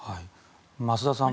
増田さん